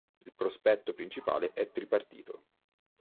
Il prospetto principale è tripartito.